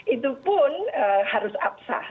itu pun harus apsah